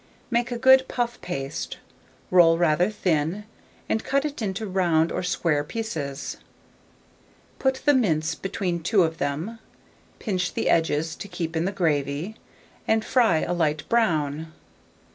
Make a good puff paste; roll rather thin, and cut it into round or square pieces; put the mince between two of them, pinch the edges to keep in the gravy, and fry a light brown.